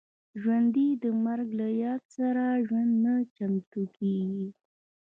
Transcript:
ژوندي د مرګ له یاد سره ژوند ته چمتو کېږي